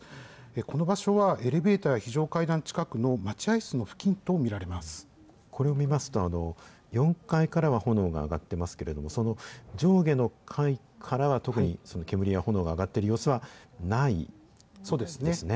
この場所は、エレベーターや非常階段近くの待合室の付近これを見ますと、４階からは炎が上がってますけれども、その上下の階からは特に煙や炎が上がっている様子はないですね。